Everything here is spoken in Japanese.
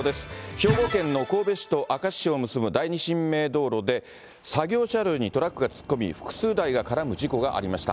兵庫県の神戸市と明石市を結ぶ第二神明道路で、作業車両にトラックが突っ込み、複数台が絡む事故がありました。